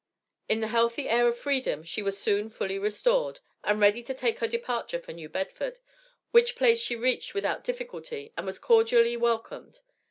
In the healthy air of freedom she was soon fully restored, and ready to take her departure for New Bedford, which place she reached without difficulty and was cordially welcomed.